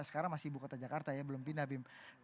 sekarang masih ibu kota jakarta ya belum pindah